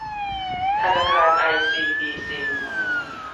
ธนาคารไอซีบีซี